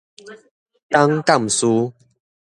董監事